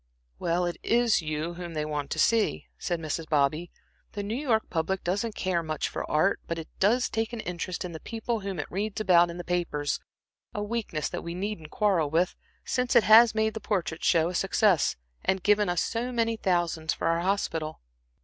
"Well, it is you whom they want to see," said Mrs. Bobby. "The New York public doesn't care much for art, but it does take an interest in the people whom it reads about in the papers a weakness that we needn't quarrel with, since it has made the Portrait Show a success, and given us so many thousands for our hospital."